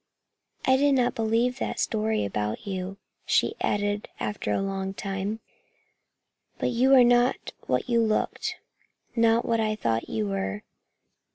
"I didn't believe that story about you," she added after a long time. "But you are not what you looked, not what I thought you were.